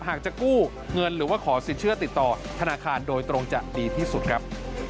หากจะกู้เงินหรือว่าขอสินเชื่อติดต่อธนาคารโดยตรงจะดีที่สุดครับ